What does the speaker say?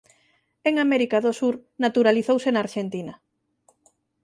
En América do Sur naturalizouse na Arxentina.